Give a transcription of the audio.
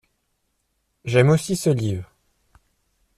J’aime aussi ce livre.